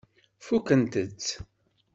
Fukkent-tt?